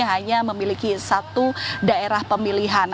hanya memiliki satu daerah pemilihan